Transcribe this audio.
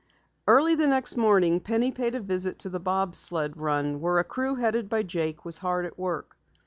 Early the next morning Penny paid a visit to the bob sled run where a crew headed by Jake was hard at work.